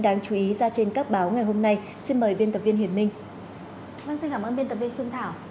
vâng xin cảm ơn viên tập viên phương thảo